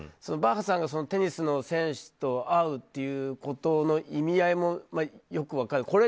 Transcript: バッハさんがテニスの選手と会うっていうことの意味合いもよく分からない。